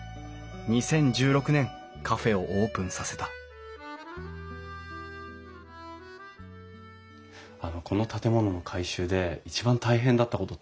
２０１６年カフェをオープンさせたこの建物の改修で一番大変だったことって何ですか？